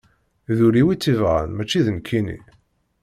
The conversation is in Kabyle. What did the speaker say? D ul-iw i tt-ibɣan mačči d nekkini.